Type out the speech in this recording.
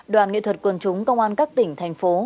đoàn nghệ thuật quần chúng công an các tỉnh thành phố